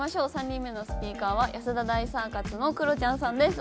３人目のスピーカーは安田大サーカスのクロちゃんさんです